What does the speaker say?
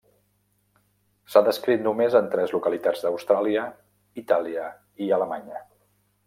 S’ha descrit només en tres localitats d’Austràlia, Itàlia i Alemanya.